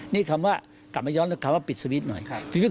นี่คำว่ากลับมาย้อนคำว่าปิดสวิตช์หน่อย